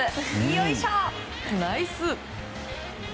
よいしょ、ナイス！